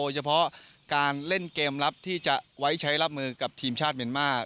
เฉพาะการเล่นเกมรับที่จะไว้ใช้รับมือกับทีมชาติเมียนมาร์